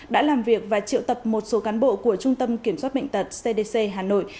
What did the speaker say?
đã làm việc và triệu tập một số cán bộ của trung tâm kiểm soát bệnh tật cdc hà nội